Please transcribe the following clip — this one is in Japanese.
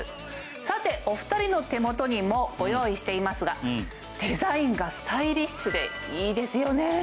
さてお２人の手元にもご用意していますがデザインがスタイリッシュでいいですよね。